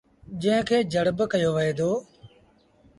جݩهݩ کي جڙ با ڪهيو وهي دو۔